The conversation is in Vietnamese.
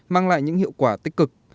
mang lại những hiệu quả tích cực